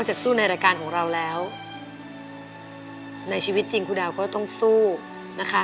สู้ในรายการของเราแล้วในชีวิตจริงคุณดาวก็ต้องสู้นะคะ